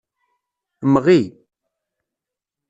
Mɣi.